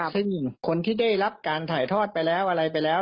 ซึ่งคนที่ได้รับการถ่ายทอดไปแล้วอะไรไปแล้ว